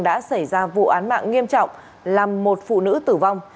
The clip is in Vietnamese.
đã xảy ra vụ án mạng nghiêm trọng làm một phụ nữ tử vong